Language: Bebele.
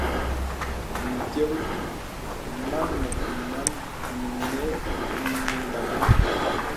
M̀pyōŋ màn mùt binām mìnə̀ daŋ̄aŋ.